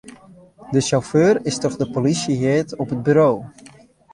De sjauffeur is troch de polysje heard op it buro.